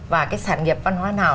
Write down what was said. và cái sản nghiệp văn hóa nào